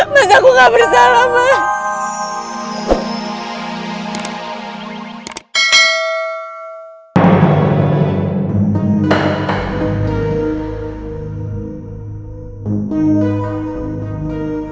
mas aku gak bersalah mas